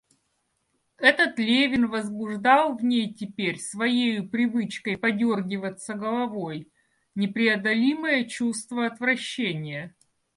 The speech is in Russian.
Этот Левин возбуждал в ней теперь своею привычкой подёргиваться головой непреодолимое чувство отвращения.